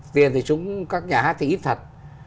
tiền thì chúng các nhà hát thì ít thật